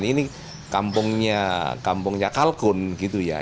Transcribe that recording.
ini kampungnya kalgon gitu ya